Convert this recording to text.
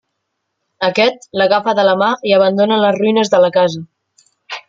Aquest, l’agafa de la mà i abandonen les ruïnes de la casa.